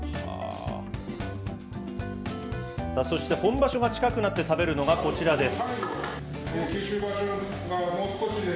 さあ、そして本場所が近くなって食べるのがこちらです。